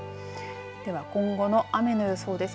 では今後の雨の予想です。